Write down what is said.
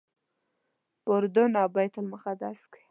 په اردن او بیت المقدس کې.